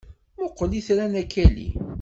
Mmuqqel itran a Kelly!